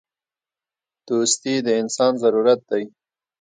• دوستي د انسان ضرورت دی.